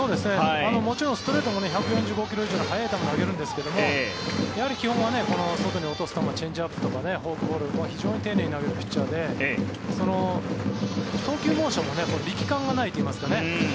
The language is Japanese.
もちろんストレートも１４５ｋｍ以上の速い球を投げるんですけど基本はこの外に落とす球チェンジアップとかフォークボール非常に丁寧に投げるピッチャーで投球モーションも力感がないといいますかね